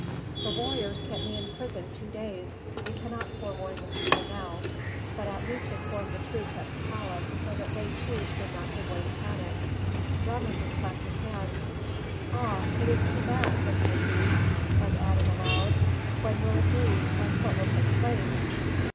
"The warriors kept me in prison two days. We cannot forewarn the people now, but at least inform the troops at the palace, so that they, too, should not give way to panic." Rameses clapped his hands. "Ah, it is too bad!" whispered he, and added aloud. "When will it be, and what will take place?"